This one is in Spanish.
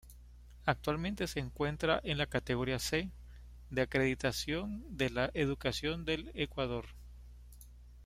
Actualmente se encuentra en la categoría C, de acreditación de la educación del Ecuador.